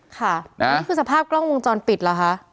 ค่ะนี่คือสภาพกล้องวงจรปิดเหรอคะ